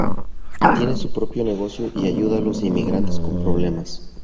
Tiene su propio negocio y ayuda a los inmigrantes con problemas.